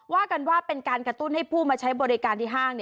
ว่ากันว่าเป็นการกระตุ้นให้ผู้มาใช้บริการที่ห้าง